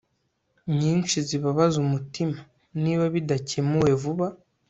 nyinshi zibabaza umutima niba bidakemuwe vuba